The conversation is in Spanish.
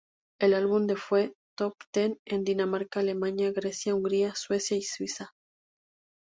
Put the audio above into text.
El álbum fue Top Ten en Dinamarca, Alemania, Grecia, Hungría, Suecia y Suiza.